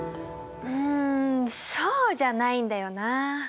うんそうじゃないんだよなあ。